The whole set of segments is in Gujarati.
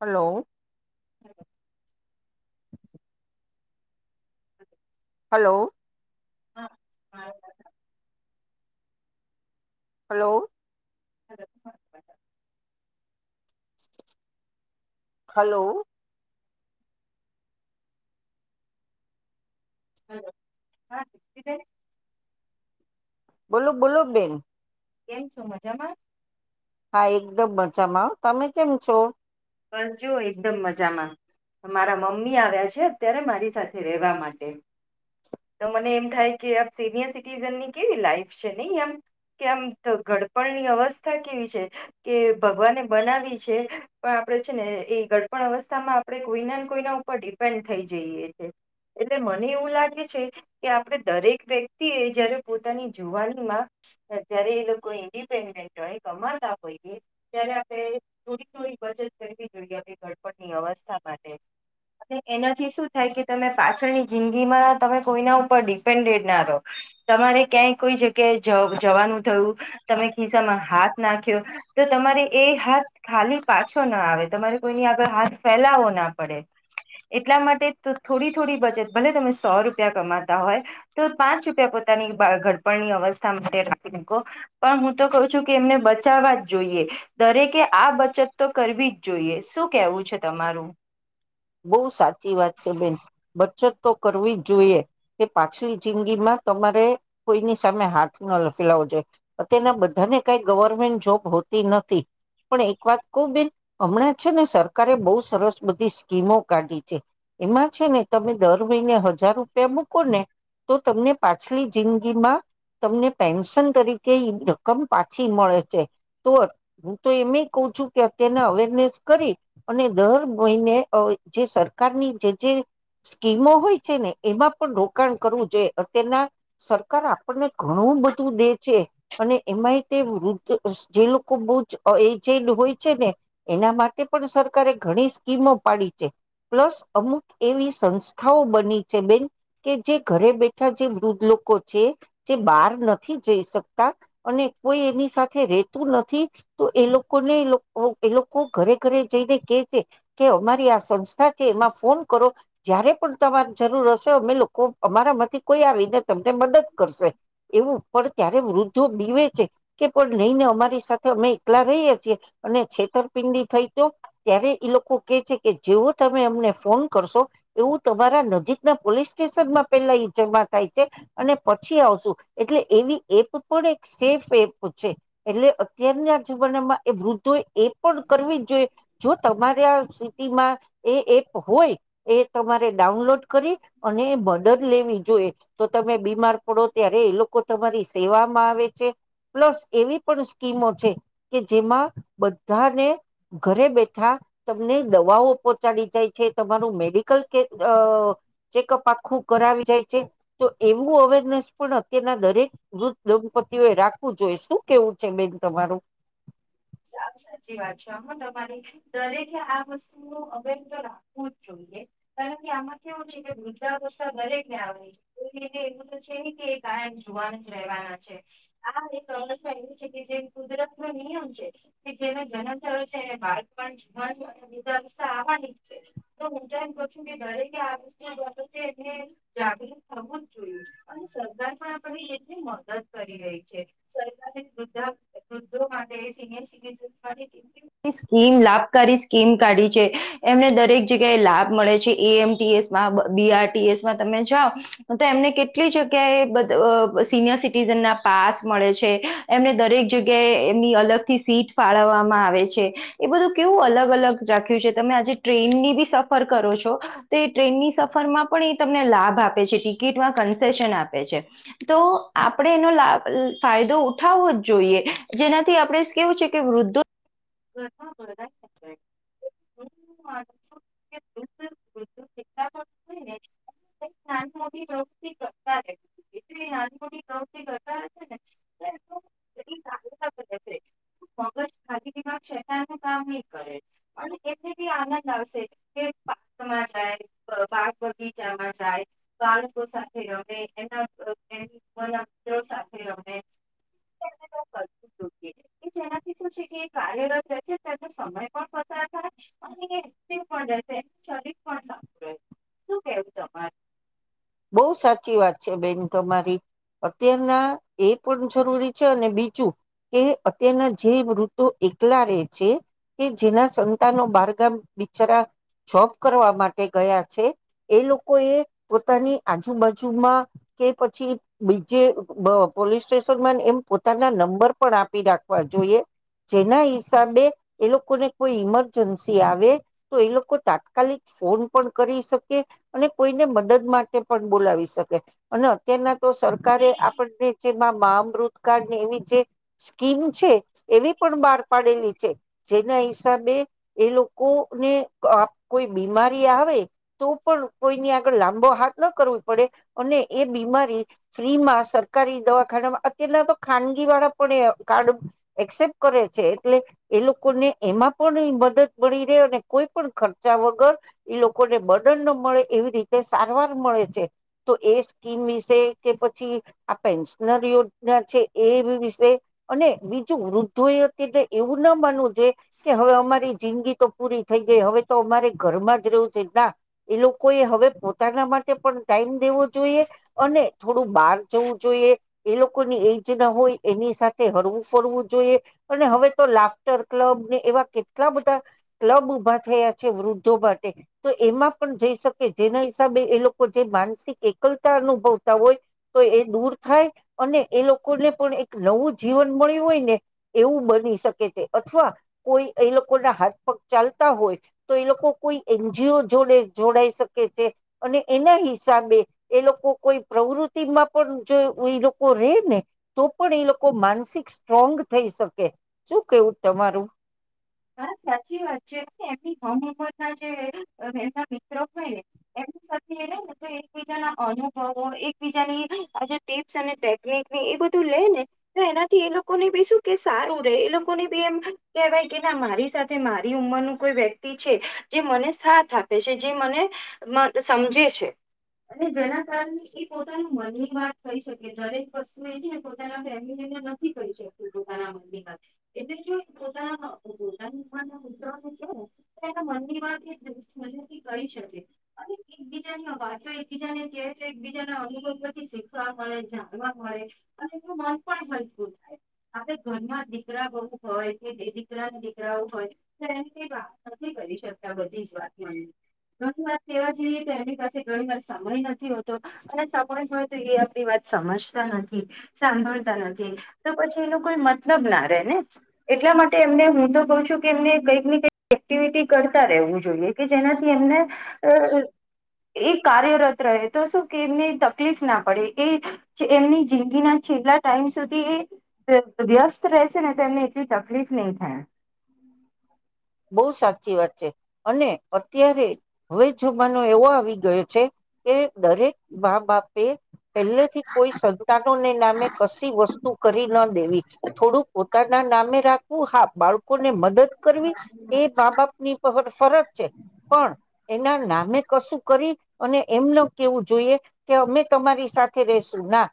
હલો. [unintelligible] [unintelligible] હલો. હા હા. હલો. હલો. [unintelligible] બોલું બોલ બેન. કેમ છું મજામાં? હા એકદમ મજામાં, આવ તમે કેમ છો? બસ જો એકદમ મજામાં. મારા મમ્મી આવ્યા છે અત્યારે મારી સાથે રહેેવા માટે. તો મને એમ થાય કે આ સિનિયર સિટીઝનની કેવી લાઈફ છે નહી એમ કે આમ ગડપણની અવસ્થા કેવી છે કે ભગવાને બનાવી છે પણ આપણે છે ને એ ગડપણ અવસ્થામાં આપણે કોઈના ને કોઈના ઉપર ડિપેન્ડ થઈ જઈએ છીએ એટલે મને એવું લાગે છે કે આપણે દરેક વ્યક્તિ એ જયારે પોતાની જુવાનીમાં જયારે એ લોકો ઇન્ડિપેન્ડન્ટ હોય કમાતા હોઈએ ત્યારે આપણે થોડી થોડી જોઈએપની અવસ્થા માટે અને એનાથી શું થાય કે તમે પાછળની જિંદગીમાં તમે કોઈના ઉપર ડિપેન્ડેડ ના રહો તમારે ક્યાંય કોઈ જગ્યાએ જવાનું થયું તમે ખિસ્સામાં હાથ નાખ્યો તો તમારે એ હાથ ખાલી પાછો ના આવે તમારે કોઈની આગળ હાથ ફેલાવો ના પડે એટલા માટે થોડી થોડી બચત ભલે તમે સો રૂપિયા કમાતા હોય તો પાંચ રૂપિયા પોતાની ગડપણની અવસ્થા માટે રાખીકો પણ હું તો કઉ છું કે એમને બચાવવા જ જોઈએ દરેકે આ બચત તો કરવી જ જોઈએ શું કેવું છે તમારું? બહુ સાચી વાત છે બેન. બ ચટ તો કરવી જ જોઈએ કે પાછલી જિંદગીમાં તમારે કોઈની સામે હાથ ન લખેલાવો જોઈએ. અત્યના બધાને કઈ ગવર્મેન્ટ જોબ હોતી નથી પણ એક વાત કહ બેન હમણાં છે ને સરકારે બહુ સરસ બધી સ્મો કાઢી છે એમાં છે ને તમે દર મહિને હજાર રૂપિયા મૂકો ને તો તમને પાછલી જિંદગીમાં તમને પેન્શન તરીકે રકમ પાછી મળે છે. તો હું તો એમ કહ છું કે અત્યારના અવેરનેસ કરી અને દર મહિને જે સરકારની જે જે સ્કીમો હોય છે ને એમાં પણ રોકાણ કરવું જોઈએ અત્યારના સરકાર આપણને ઘણું બધું દે છે અને એમાંય તે વૃદ્ધ જે લોકો બહુ જ એજડ હોય છે ને એના માટે પણ સરકારે ઘણી સ્કીમો પ્લસ અમુક એવી સંસ્થાઓ બની છે બેન કે જે ઘરે બેઠા જે વૃદ્ધ લોકો છે જે બહાર નથી જઈ શકતા અને કોઈ એની સાથે રતું નથી તો એ લોકોને એ લોકો ઘરે ઘરે જઈને કે છે કે અમારે સંસ્થા છે એમાં ફોન કરો જયારે પણ તમારે જરૂર હશે અમે લોકો અમારા માંથી કોઈ આવીને તમને મદદ કરશે એવું પણ ત્યારે વૃદ્ધો બીવે છે કે પણ નહીંને અમારી સાથે અમે એકલા રહીએ છીએ અને છેતરપિંડી થઈ તો ત્યારે એ લોકો કે છે કે જેવો તમે અમને ફોન કરશો એવું તમારા નજીકના પોલીસ સ્ટેશનમાં પેલા જમા થાય છે અને પછી આવશું એટલે એવી એપ પણ એક સેફ એપ છે એટલે અત્યારના જમાનામાં એ વૃદ્ધો એ પણ કરવી જ જોઈએ જો તમારે આ એપ હોય એ તમારે ડાઉનલોડ કરી અને બદદ લેવી જોઈએ તો તમે બીમાર પડો ત્યારે એ લોકો તમારી સેવામાં આવે છે પ્લસ એવી પણ સ્કીમો છે કે જેમાં બધાને ઘરે બેઠા તમને દવાઓ પહોંચાડી જાય છે તમારું મેડિકલ ચેકઅપ આખું કરાવી જાય છે. તો એ અવેરનેસ પણ અત્યારના દરેક વૃધ દંપતિઓએ રાખવું જોઈએ શું કેવું છે બેન તમારું? સાવ સાચી વાત છે આમાં તમારે દરેકે આ વસ્તુ નું અવેર તો રાખવું જ જોઈએ કારણ કે આમાં કેવું છે કે વૃદ્ધાવસ્થા દરેક ને આવ છે એ લઈને એવું તો છે ને કે કાયમ જોવાનું જ રહેવાના છે આ એક અવસ્થા એવી છે કે જે કુદરત નો નિયમ છે જેનો જન્મ થયો છે એને બાળ જોવા બા આવવાની છે તો હું તો એમ ક છું કે દરેકે બાબતે એ જાગૃત થવું જ જોઈએ અને સરકાર પણ આપ એટલી મદદ કરી રહી છે સર વૃ્ધા વૃદ્ધો માટે સિનિયર સિટીઝન માટે [unintelligible] સ્કીમ લાભકારી સ્કીમ કાઢી છે એમને દરેક જગ્યાએ લાભ મળે છે એમટીએસમાં, બીઆરટીએસમાં તમે જાઓ તો એમને કેટલી જગ્યાએ બ સિનયર સિટીઝન ના પાસ મળે છે એમને દરેક જગ્યાએ એમની અલગ થી સીટ ફાળવવામાં આવે છે એ બધું કેવું અલગ અલગ રાખ્યું છે તમે આજે ટ્રેનની બી સફર કરો છો તો એ ટ્રેનની સફરમાં પણ એ તમને લાભ આપે છે ટિકિટમાં કન્સેેશન આપે છે. તો આપણે એનો લાભ ફાયદો ઉઠાવવો જ જોઈએ જેનાથી આપણે કેવું છે કે વૃદ્ધો [unintelligible] [unintelligible] [unintelligible] મગજ ખા દમાંક શકારનું કામ નહી કરે પણ એને બી આનંદ આવશે કે પાકમાં જાય બાગ બગીચામાં જાય બાળકો સાથે રમે એના સાથે રમે [unintelligible] જેનાથી શું છે કે કાર્યરત રહેશે તેનો સમય પણ પસાર થાય અને તે પણ રહે એનું શરીર પણ સારું રહે શું કેવું તમારે? બહ સાચી વાત છે બેન તમારી. અત્યારના એ પણ જરૂરી છે અને બીજું કે અત્યારના જે મૃધો એકલા રહે છે કે જેના સંતાનો બારગામ બિચાર જોબ કરવા માટે ગયા છે એ લોકો એ પોતાની આજુબાજુમાં કે પછી બીજે પોલીસ સ્ટેશનમાં એમ પોતાના નંબર પણ આપી રાખવા જોઈએ જેના હિસાબે એ લોકોને કોઈ ઈમરજન્સી આવે તો એ લોકો તાત્કાલિક ફોન પણ કરી શકે અને કોઈને મદદ માટે તે પણ બોલાવી શકે અને અત્યારના તો સરકારે આપણને જેમાં મા મૃતકાળ ને એવી જે સ્કીમ છે એવી પણ બહાર પાડેલી છે જેના હિસાબે એ લોકોને આપ કોઈ બીમારી તો પણ કોઈની આગળ લાંબો હાથ ન કરવું પડે અને એ બીમારી ફ્રી માં સર સરકારી દવાખાનામાં અત્યારના તો ખાનગી વાળા પણ એ કાર્ડ એક્સેપ્ટ કરે છે એટલે એ લોકોને એમાં પણ મદદ મળી રહે અને કોઈ પણ ખર્ચા વગર એ લોકોને બર્ડન ન મળે એવી રીતે સારવાર તો એ સ્કીમ વિશે કે પછી આ પેન્શનર યોજના છે એ વિશે અને બીજું વૃદ્ધો એ અત્યારે એવું ના માનવું જોઈ કે હવે અમારી જિંદગી તો પૂરી થઈ જાય હવે તો અમારે ઘરમાં જ રહેવું છે ના એ લોકો એ હવે પોતાના માટે ટાઈમ દેવો જોઈએ અને થોડું બહાર જવું જોઈએ એ લોકોની એજ ના હોય એની સાથે હળવું ફરવું જોઈએ અને હવે તો લાફ્ટર ક્લબ ને એવા કેટલા બધા ક્લબ ઉભા થયા છે વૃદ્ધો માટે તો એમાં પણ જઈ શકે જેના હિસાબે એ લોકો ન એકલતા અનુભવતા હોય તો એ દૂર થાય અને એ લોકોને પણ એક નવું જીવન મળ્યું હોય ને એવું બની શકે છે અથવા કોઈ એ લોકો ના હાથ પગ ચાલતા હોય તો એ લોકો કોઈ એનજીઓ જોડે જોડાાય શકે છે અને એના હિસાબે એ લોકો કોઈ પ્રવૃતિમાં પણ જો એ લોકો રે ને તો પણ એ લોકો માનસિક સ્ટ્રોંગ થઈ શકે શું કેવું તમારું હા સાચી વાત છે એમનીમમદ ના જે એમના મ્રો હોયને એમની સાથેને એકીજાના અનુભવો એકબીજાની આજ ટીપ્સ અને ટેકનિક એ બધું લે ને તો એનાથી એ લોકોને બી શું કે સારું રે એ લોકોને બી એમ કેવાય મારી સાથે મારી ઉંમરનું કોઈ વ્યક્તિ છે જે મને સાથ આપે છે જે મને સમજે છે અને જેના કારણે એ પોતા મનની વાત ક શકે દરેક વસ્તુ છેકતની એટલે પોતાની ઉ પુત્રને છે ને એના મનની વાત એ મથી કરી શકે અને એકબીજાની વાતો એકબીજાને કહેય તો એકબીજાના અનુભવ પરથી શીખવા મળે જાણવા મળય અને એનું મન પણ હલકું થાય આપણે ઘરના દીકરા બહુ હોય કે દીકરાઓ હોય તો એ વાત નથી કરી શકતા બધી જ વાત ઘણી વાત કેવા જઈએ તો એની પાસે ઘણી વાર સમય નથી હોતો અને સમય હોય તો એ આપણી વાત સમજતા નથી સાંભળતા નથી તો પછી એનો કોઈ મતલબ ના રહે ને એટલા માટે એમને હું તો કઉ છું કે એમને કંઈક ને કઈક એક્ટિવિટી કરતા રહેવું જોઈએ કે જેનાથી એમને એ કાર્યરત રહે તો શું કે એમને તકલીફ ના પડે એ એમની જિંદગીના છેલ્લા ટાઈમ સુધી એ વ્યસ્ત રહેશે ને તો એને એટલી તકલીફ લ થાય બહુ સાચી વાત છે અને અત્યારે હવે જમાનો એવો આવી ગયો છે કે દરેક બા બાપ પહેલે થી કોઈ સંતાનોને નામે કશી વસ્તુ કરી ના દેવી થોડું પોતા ના નામે રાખવું હા બાળકો ને મદદ કરવી એ બા બાપ ની પ ફરજ છે પણ એના નામે કશું કરી અને એમને કેવું જોઈએ કે અમે તમારી સાથે રસું ના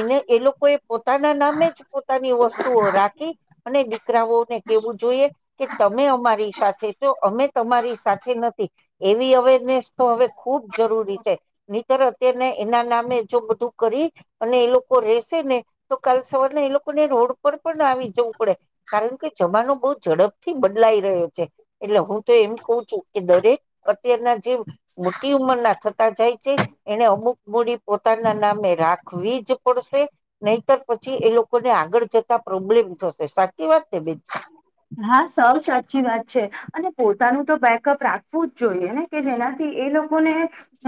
એને એ લોકો એ પોતાના નામે જ પોતાની વસ્તુઓ રાખી અને દીકરાઓને કેવું જોઈએ કે તમે અમારી સાથે છો અમે તમારી સાથે નથી એવી અવેરનેસ તો હવે ખુબ જરૂરી છે અ્યારે અત્યને એના નામે જો બધું કરી અને એ લોકો રશે ને તો કાલ સવારના એ લોકોને રોડ પર પણ આવી જવું પડે કારણ કે જમાનો બહુ ઝડપ થી બદલાઈ રહ્યો છે એટલે હું તો એમ કું છું કે દરેક અત્યારના જે મોટી ઉંમરના થતા જાય છે એને અમુક મૂડી પોતાના નામે રાખવી જ પડશે નહીતર પછી એ લોકોને આગળ તા પ્રોબ્લેમ થશે સાચી વાત છેને બે હા સૌ સાચી વાત છે અને પોતાનું તો બેકઅપ રાખવું જ જોઈએ ને કે જેનાથી એ લોકોને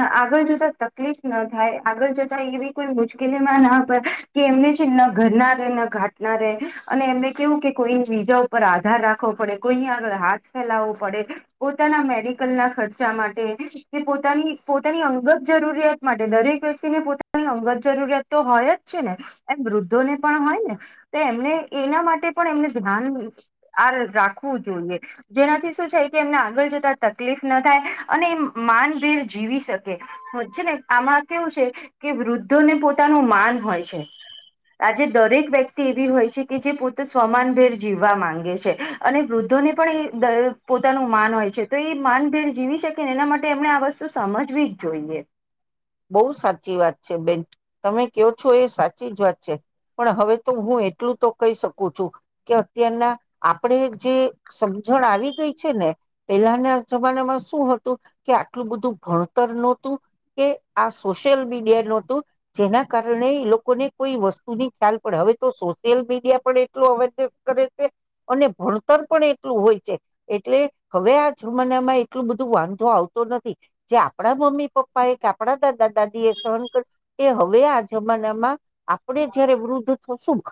આગળ જતા તકલીફ ના થાય આગળ જતા એવી કોઈ મુશ્કેલીમાં ના પડ કે એમને છે ના ઘરના રાટ રહે અને એમને કેવું કે કોઈ બીજા ઉપર આધાર રાખવો પડે કોઈની આગળ હાથ ફેલાવવો પડે પોતાના મેડિકલના ખર્ચા માટે કે પોતાની પોતાની અંગત જરૂરિયાત માટે દરેક વ્યક્તિને પોતાની અંગત જરૂરિયાત તો હોય જ છે ને એમ વૃદ્ધોને પણ હોય ને તો એમને એના માટે પણ એમને ધ્યાન આ રાખવું જોઈએ જેનાથી શું છે કે એમને આગળ જતા તકલીફ ના થાય અને એ માનવીર જીવી શકે છે ને આમાં કેવું છે કે વૃદ્ધોને પોતાનું માન હોય છે આજે દરેક વ્યક્તિ એવી હોય છે કે જે પોતે સ્વમાનભેર જીવવા માંગે છે અને વૃદ્ધોને પણ એ પોતાનું માન હોય છે તો એ માનભેર જીવી શકે ને એના માટે એમણે આ વસ્તુ સમજવી જ જોઈએ બહુ સાચી વાત છે બેન તમે કહો છો એ સાચી જ વાત છે પણ હવે તો હું એટલું તો કહી શકું છું કે અત્યારના આપણે જે સમજણ આવી ગઈ છે ને પેલાના જમાનામાં શું હતું કે આટલું બધું ભણતર નહોતું કે આ સોશિયલ મીડિયા ન હતું જેના કારણે એ લોકોને કોઈ વસ્તુની ખ્યાલ પડે હવે તો સોશિયલ મીડિયા પણ એટલું અવેરને કરે છે અને ભણતર પણ એટલું હોય છે એટલે હવે આ જમાનામાં એટલું બધું વાંધો આવતો નથી જે આપણા મમ્મી પપ્પા એક આપડા દાદા દાદી એ સહન કર્યું કે હવે આ જમાનામાં આપણે જયારે વૃદ્ધ થશું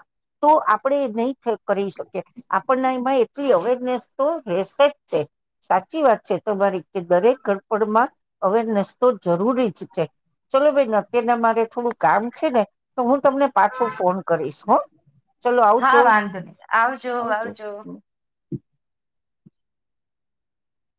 તો આપણેે એ નહી કરી શકીએ આપણને એમાં એટલી અવેરનેસ તો રહેશે જ તે સાચી વાત છે તમારી કે દરેક ગડપડમાં અવેરનેસ તો જરૂરી ચલો ભાઈ અત્યારના મારે થોડું કામ છે ને તો હું તમને પાછો ફોન કરીશ હ હા વાંધો નહીં આવજો આવજો.